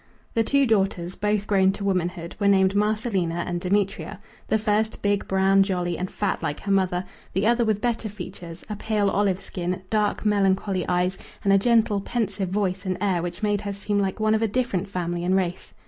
The two daughters, both grown to womanhood, were named Marcelina and Demetria; the first big, brown, jolly, and fat like her mother, the other with better features, a pale olive skin, dark melancholy eyes, and a gentle pensive voice and air which made her seem like one of a different family and race.